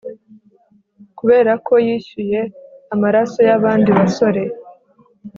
Kuberako yishyuye amaraso yabandi basore